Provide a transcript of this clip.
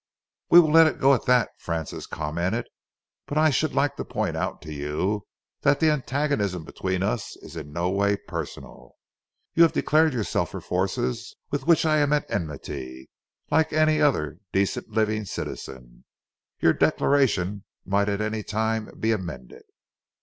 "We will let it go at that," Francis commented, "but I should like to point out to you that the antagonism between us is in no way personal. You have declared yourself for forces with which I am at enmity, like any other decent living citizen. Your declaration might at any time be amended."